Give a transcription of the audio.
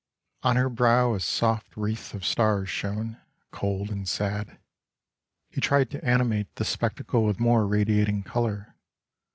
On her brow a soft wreath of stars shone, cold and sad. He tried to animate this spectacle with more radiating color.